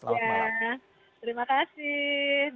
selamat malam terima kasih